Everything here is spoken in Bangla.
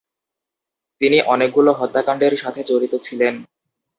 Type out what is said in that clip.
তিনি অনেকগুলো হত্যাকাণ্ডের সাথে জড়িত ছিলেন।